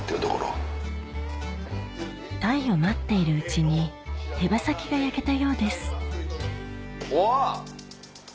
鯛を待っているうちに手羽先が焼けたようですおっ！